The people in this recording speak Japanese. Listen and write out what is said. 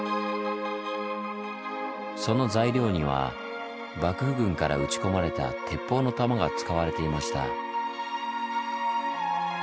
その材料には幕府軍から撃ち込まれた鉄砲の弾が使われていました。